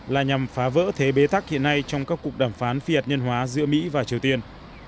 là nhằm phá vỡ thế bế tắc hiện nay trong các cuộc đàm phán phi hạt nhân hóa giữa mỹ và triều tiên